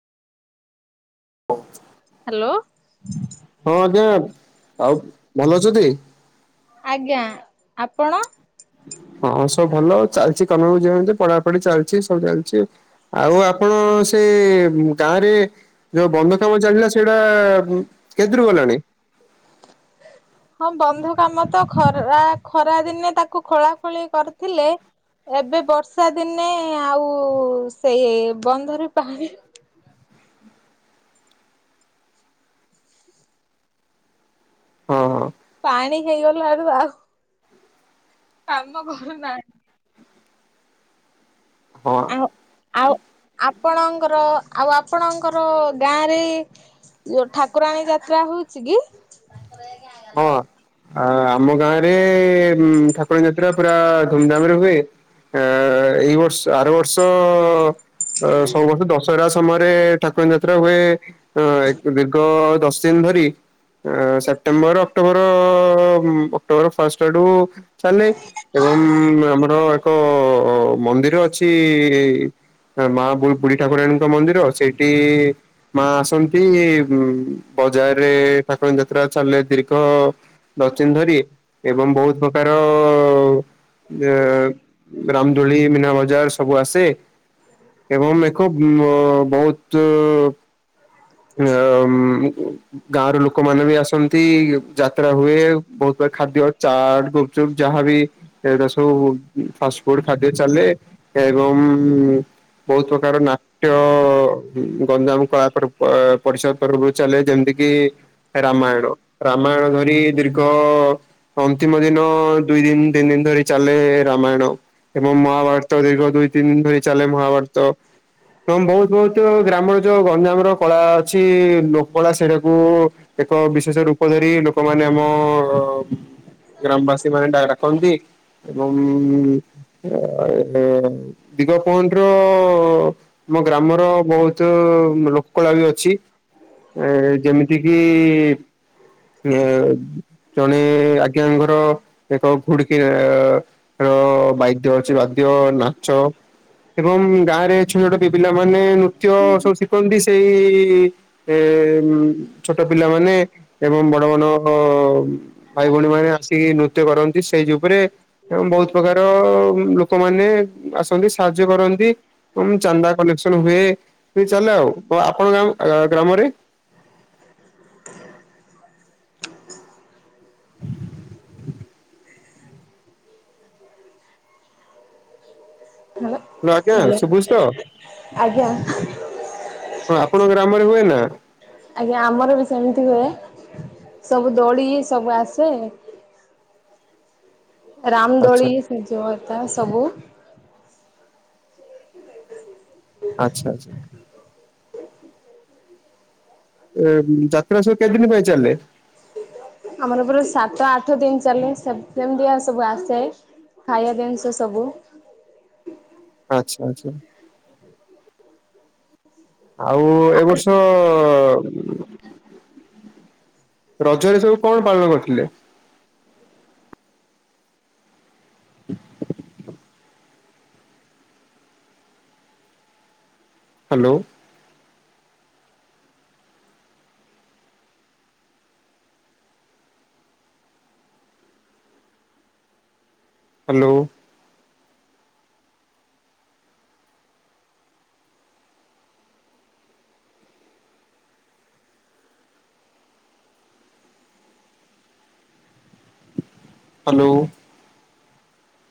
Hello. ହଁ ଆଜ୍ଞା। ଆଉ ଭଲ ଅଛନ୍ତି? ଆଜ୍ଞା ଆପଣ? ହଁ ସବୁ ଭଲ ଚାଲିଛି କାମ ବି ଚାଲିଛି ପଢାପଢି ଚାଲିଛି ସବୁ ଚାଲିଛି। ଆଉ ଆ ପଣ ସେ ଗାଁରେ ଯୋଉ ବନ୍ଧ କାମ ଚାଲିଲା ସେଇଟା କେତେଦୁରୁ ଗଲାଣି? ହଁ ବନ୍ଧ କାମ ତ ଖରା, ଖରା ଦିନେ ତାକୁ ଖୋଳା ଖୋଳି କରିଥିଲେ। ଏବେ ବର୍ଷା ଦିନେ ଆଉ ସେଇ ବନ୍ଧରେ ପାଣି ହଁ ହଁ। ପାଣି ହେଇଗଲାରୁ ଆଉ କାମ କରୁନାହିଁ। ହଁ। ଆଉ ଆଉ ଆପଣଙ୍କର, ଆଉ ଆପଣଙ୍କର ଗାଁରେ ଯୋଉ ଠାକୁରାଣୀ ଯାତ୍ରା ହଉଛି କି? ହଁ ହାଲୋ। ଆ ଆମ ଗାଁରେ ଠାକୁର ଯାତ୍ରା ପୁରା ଧୁମଧାମ ରେ ହୁଏ। ଆ ଏଇ ବର୍ଷ ଆର ବର୍ଷ ସବୁ ବର୍ଷ ଦଶହରା ସମୟରେ ଠାକୁ ରାଣୀ ଯାତ୍ରା ହୁଏ। ଦୀର୍ଘ ଆଉ ଦଶ ଦିନ ଧରି। ସେପ୍ଟେମ୍ବର ଅକ୍ଟୋବର ଅକ୍ଟୋବର ଫାଷ୍ଟଆଡୁ ଚାଲେ ଏବଂ ଆମର ଏକ ମନ୍ଦିର ଅଛି। ମା ବୁଢୀ ଠାକୁରାଣୀଙ୍କ ମନ୍ଦିର, ସେଇଠି ମା ଆସନ୍ତି ଉ ବଜାରରେ ଠାକୁ ରାଣୀ ଯାତ୍ରା ଚାଲେ ଦୀର୍ଘ ଦଶଦିନ ଧରି, ଏବଂ ବହୁତ ପ୍ରକାର ରାମଦୋଳି ମୀନା ବଜାର ସବୁ ଆସେ। ଏବଂ ମେକ୍ଅପ୍ ବହୁତ ହ [unintelligible] ଗାଁ ରୁ ଲୋକମାନେ ବି ଆସନ୍ତି, ଯାତ୍ରା ହୁ, ଏ ବହୁତ ପ୍ରକାର ଖାଦ୍ୟ ଚାଟ ଚୁପ୍ ଯାହାବି ଏରା ସବୁ ଫାଷ୍ଟ ଫୁଡ ଖାଦ୍ୟ ଚାଲେ ଏବଂ ବହୁତ ପ୍ରକାର ନାଟ୍ୟ ଗଞ୍ଜାମ କଳା କ୍ରୁ ଅ ପରିଷଦ ପର୍ବ ଚାଲେ ଯେମତି କି ରାମାୟଣ ରାମାୟଣ ଧରି ଦୀର୍ଘ ଅନ୍ତିମ ଦିନ ଦୁଇ ଦିନ ତିନି ଦିନ ଧରି ଚାଲେ ରାମାୟଣ। ଏବଂ ମହାଭାରତ ଦୀର୍ଘ ଦୁଇ ତିନି ଦିନ ଧରି ଚାଲେ ମହାଭାରତ। ହଁ ବହୁତ ବହୁତ ଗ୍ରାମର ଯୋଉ ଗଞ୍ଜାମ ର କଳା ଅଛି ଲୋକ କଳା ସେଇଟାକୁ ଏକ ବିଶେଷ ରୂପ ଧରି ଲୋକମାନେ ଆମ ଗ୍ରାମବାସୀ ମାନେ ଡାକ ଡାକନ୍ତି। ଏବଂ ଅ ଦିଗ ପହଣ୍ଟ ର ଆମ ଗ୍ରାମର ବହୁତ ଲ କଳା ବି ଅଛି। ଏ ଯେମିତି କିି ଏ ଜଣେ ଆଜ୍ଞା ଘର ଏକ ଘୁଡିକି ର ବାଦ୍ୟ ଅଛି, ବାଦ୍ୟ ନାଚ‌ ଏବଂ ଗାଁ ରେ ଛୋଟ ଛୋଟ ପିଲାମାନୋନେ ନୃତ୍ୟ ସବୁ ଶିଖନ୍ତି। ଏଇ ଏମ୍ ଛୋଟ ପିଲା ମାନେ, ଏବଂ ବଡ ବଡ ଭାଇ ଭଉଣୀ ମାନେ, ଆ ଟି ନୃତ୍ୟ କରନ୍ତି ଷ୍ଟେଜ ଉପରେ। ଏବଂ ବହୁତ ପ୍ରକାର ଲୋକମାନେ ଆସନ୍ତି, ସାହାଯ୍ୟ କରନ୍ତି। ଏବଂ ଚାନ୍ଦା କଲେକ୍ସନ ହୁଏ ହୁ ଚାଲେ। ଆଉ ଆପଣଙ୍କ ଗ୍ରାମରେ? ହାଲୋ ଆଜ୍ଞା ହ୍ୟାଲୋ ସୁଭୁଚି ତ? ଆଜ୍ଞା ହଁ ଆପଣଙ୍କ ଗ୍ରାମରେ ହୁଏ ନା? ଆଜ୍ଞା ଆମର ବି ସେମିତି ହୁଏ। ସବୁ ଦୋଳି ସବୁ ଆସେ। ଆଚ୍ଛା ରାମଦୋଳି ଯ ସବୁ। ଆଚ୍ଛା ଆଚ୍ଛା। [unintelligible] ଯାତ୍ରା ସବୁ କେତେଦିନି ପାଇଁ ଚାଲେ? ଆମର ପୁରା ସାତ ଆଠ ଦିନ୍ ଚାଲେ ସେପ୍ତେମ୍ ଦିଆ ସବୁ ଆସେ। ଖାଇବା ଦିନ୍ ସ ସବୁ। ଆଚ୍ଛା ଆଚ୍ଛା। ଆଉ ଏ ବର୍ଷ ରଜରେ ସବୁ କଣ ପାଳନ କରିଥିଲେ? ହାଲୋ। ହାଲୋ। ହାଲୋ।